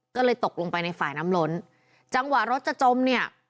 ก็เลยตกลงไปในฝ่ายน้ำล้นจังหวะรถจะจมเนี่ย